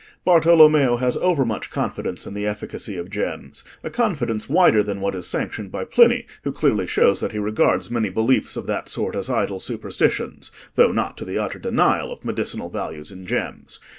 "Bartolommeo has overmuch confidence in the efficacy of gems—a confidence wider than what is sanctioned by Pliny, who clearly shows that he regards many beliefs of that sort as idle superstitions; though not to the utter denial of medicinal virtues in gems.